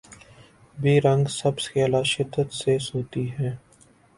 be رنگ سبز خیالات شدت سے سوتی ہیں